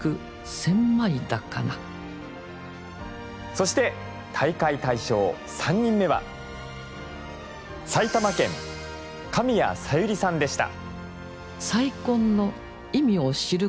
そして大会大賞３人目は埼玉県神谷小百合さんでした。